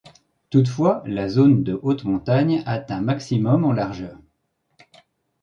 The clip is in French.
Toutefois la zone de haute montagne atteint maximum en largeur.